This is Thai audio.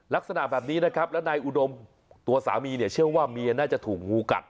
ลักษณะแบบนี้นะครับแล้วนายอุดมตัวสามีเนี่ยเชื่อว่าเมียน่าจะถูกงูกัด